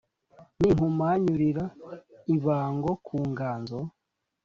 ninkumanyurira ibango ku nganzo